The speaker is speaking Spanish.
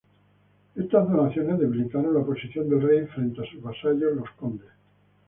Estas donaciones debilitaron la posición del rey frente a sus vasallos los condes.